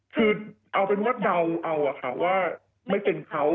คือเอาเป็นวัดเดาว่าไม่เป็นเขา